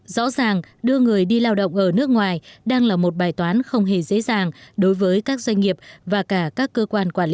rõ ràng đưa người đi lao động ở nước ngoài đang là một bài toán không hề dễ dàng đối với các doanh nghiệp và cả các cơ quan quản lý